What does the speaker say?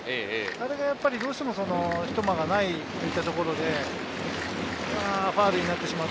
あれがどうしてもひと間がないと言ったところで、ファウルになってしまう。